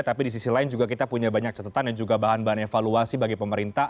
tapi di sisi lain juga kita punya banyak catatan dan juga bahan bahan evaluasi bagi pemerintah